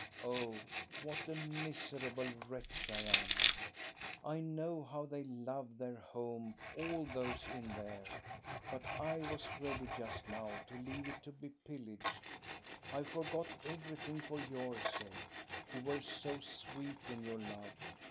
Oh, what a miserable wretch I am ! I know how they love their home, all those in there, but I was ready just now to leave it to be pillaged. I forgot everything for your sake, you were so sweet in your love.